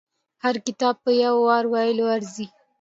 هر کتاب په يو وار ویلو ارزي.